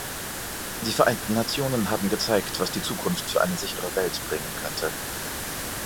Die Vereinten Nationen haben gezeigt, was die Zukunft für eine sicherere Welt bringen könnte.